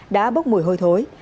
đã bốc mùi hôi thối